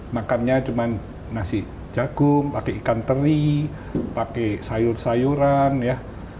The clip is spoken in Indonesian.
makannya cuma nasi jagung pakai ikan teri pakai sayur sayuran ya